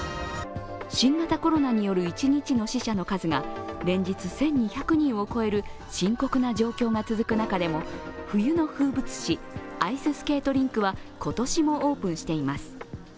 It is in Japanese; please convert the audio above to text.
新型コロナによる１日の死者の数が連日１２００人を超える深刻な状況が続く中でも冬の風物詩、アイススケートリンクは今年もオープンしています。